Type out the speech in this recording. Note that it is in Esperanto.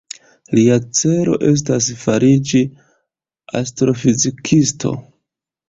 Lia celo estas fariĝi astrofizikisto.